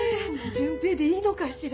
潤平でいいのかしら？